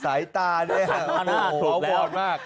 สายตาเนี่ยโอ้โฮโบนมาก